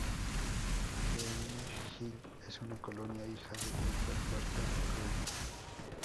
Pine Hill es una colonia hija de Upper Barton Creek.